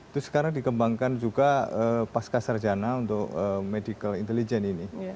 terus sekarang dikembangkan juga pasca sarjana untuk medical intelligence ini